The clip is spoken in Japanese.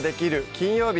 金曜日」